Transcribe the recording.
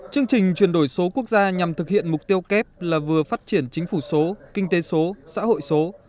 chương trình chuyển đổi số quốc gia nhằm thực hiện mục tiêu kép là vừa phát triển chính phủ số kinh tế số xã hội số